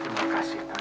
terima kasih nadia